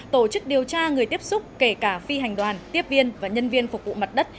tổ chức điều tra người tiếp xúc kể cả phi hành đoàn tiếp viên và nhân viên phục vụ mặt đất